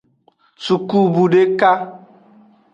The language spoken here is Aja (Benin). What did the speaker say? Sukubu deka.